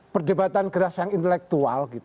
perdebatan geras yang intelektual